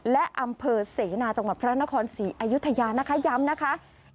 และอำเภอเสนาจังหวัดพระนครศรีอยุธยานะคะย้ำนะคะ